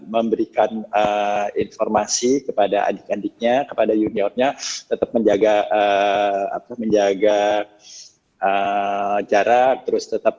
memberikan informasi kepada adik adiknya kepada juniornya tetap menjaga apa menjaga jarak terus tetap